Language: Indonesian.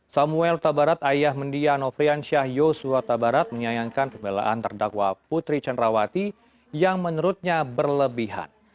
samuel tabarat ayah mendia nofrian syah yosua tabarat menyayangkan pembelaan terdakwa putri cenrawati yang menurutnya berlebihan